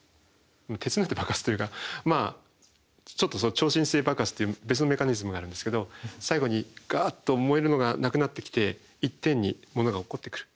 鉄になって爆発というか超新星爆発という別のメカニズムがあるんですけど最後にガーッと燃えるのがなくなってきて一点に物が落っこってくる。